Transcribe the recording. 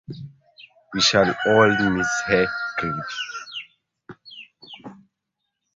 We shall all miss her greatly.